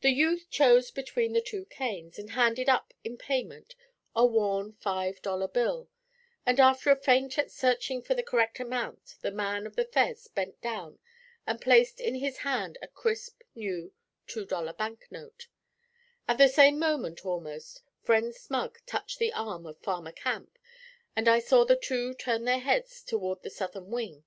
The youth chose between the two canes, and handed up in payment a worn five dollar bill, and after a feint at searching for the correct amount the man of the fez bent down and placed in his hand a crisp new two dollar banknote; at the same moment, almost, friend Smug touched the arm of Farmer Camp, and I saw the two turn their heads toward the southern wing.